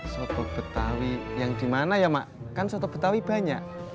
soto betawi yang dimana ya mak kan soto betawi banyak